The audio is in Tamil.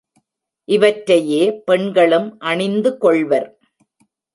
இவற்றையே பெண்களும் அணிந்து கொள்வர்.